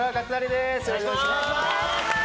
よろしくお願いします！